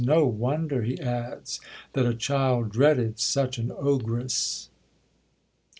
No wonder," he adds, "that a child dreaded such an ogress!"